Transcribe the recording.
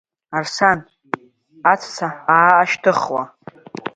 Арсана аҵәца аашьҭыхуа.